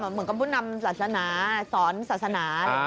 เหมือนกับผู้นำศาสนาสอนศาสนา